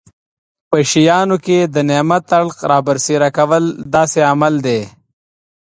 په شیانو کې د نعمت اړخ رابرسېره کول داسې عمل دی.